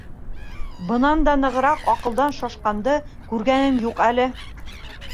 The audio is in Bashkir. Бынан да нығыраҡ аҡылдан шашҡанды күргән юҡ әле.